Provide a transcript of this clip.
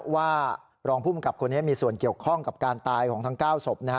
ว่ารองภูมิกับคนนี้มีส่วนเกี่ยวข้องกับการตายของทั้ง๙ศพ